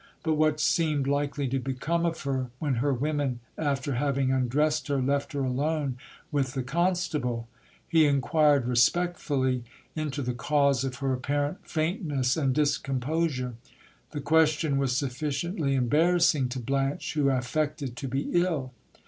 But what seemed likely to become of her when her women, after having undressed her, left her alone with the constable ? He enquired respectfully into the cause of her apparent faintness and discomposure. The question was sufficiently embarrassing to Blanche, who affected to be ill.